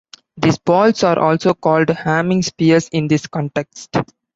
These balls are also called "Hamming spheres" in this context.